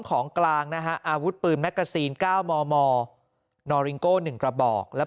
ของกลางนะฮะอาวุธปืนแมกกาซีน๙มมนอริงโก้๑กระบอกแล้ว